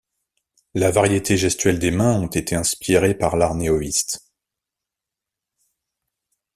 La variété gestuels des mains ont été inspirés par l'art Neoiste.